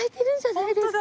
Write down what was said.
いいですか？